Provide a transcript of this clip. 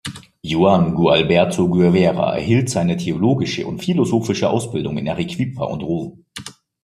Juan Gualberto Guevara erhielt seine theologische und philosophische Ausbildung in Arequipa und Rom.